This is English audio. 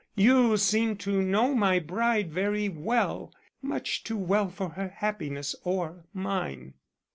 You seem to know my bride very well; much too well for her happiness or mine."